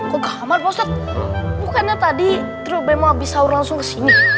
kok kamarnya ustad bukannya tadi trio bmo abis sahur langsung kesini